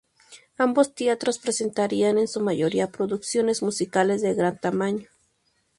Ambos teatros presentarían en su mayoría producciones musicales de gran tamaño.